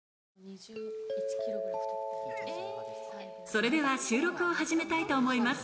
それでは収録を始めたいと思います